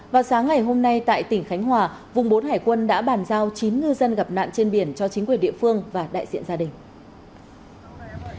vào sáng ngày hôm nay tại tỉnh khánh hòa vùng bốn hải quân đã bàn giao chín ngư dân gặp nạn trên biển cho chính quyền địa phương và đại diện gia đình